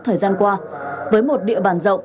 thời gian qua với một địa bàn rộng